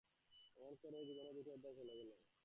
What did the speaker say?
এমনি করে তার জীবনের দুটি অধ্যায় চলে গেল।